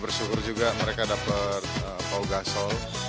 bersyukur juga mereka dapet paul gasol